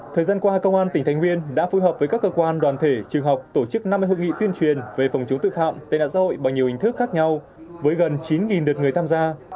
thời gian qua công an tỉnh thành nguyên đã phù hợp với các cơ quan đoàn thể trường học tổ chức năm mươi hội nghị tuyên truyền về phòng chống tội phạm tên ạ dội bằng nhiều hình thức khác nhau với gần chín đợt người tham gia